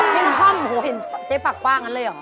ที่ห้อมโอ้โฮเห็นเจ๊ปากบ้างั่นเลยเหรอ